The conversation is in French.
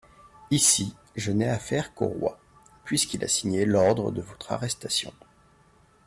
Ici, je n'ai affaire qu'au roi, puisqu'il a signé l'ordre de votre arrestation.